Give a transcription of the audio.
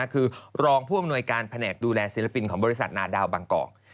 คือรองผู้อำนวยการแผนกดูแลศิลปินของบริษัทนาดาวบางกอก